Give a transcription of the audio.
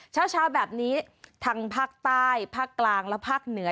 เช้าแบบนี้ทั้งภาคใต้ภาคกลางและภาคเหนือ